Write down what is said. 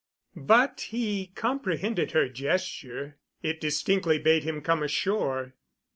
But he comprehended her gesture; it distinctly bade him come ashore.